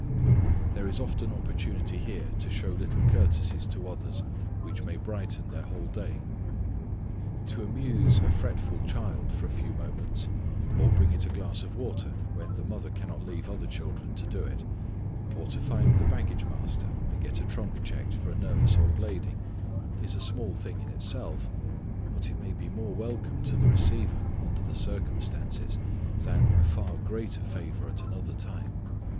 There is often opportunity here to show little courtesies to others which may brighten their whole day. To amuse a fretful child for a few moments, or bring it a glass of water when the mother cannot leave other children to do it, or to find the baggage master and get a trunk checked for a nervous old lady, is a small thing in itself, but it may be more welcome to the receiver under the circumstances than a far greater favor at another time.